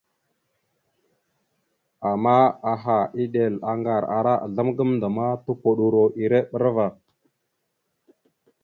Ama aha, eɗel, aŋgar ara azzlam gamənda ma tupoɗoro ere bra ava.